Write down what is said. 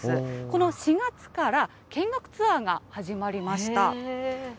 この４月から見学ツアーが始まりました。